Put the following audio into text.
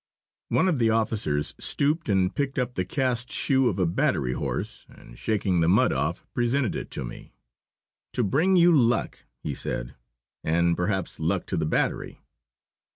One of the officers stooped and picked up the cast shoe of a battery horse, and shaking the mud off, presented it to me. "To bring you luck," he said, "and perhaps luck to the battery!"